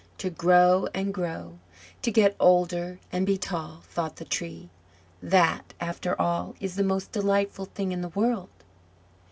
"To grow and grow, to get older and be tall," thought the Tree "that, after all, is the most delightful thing in the world!"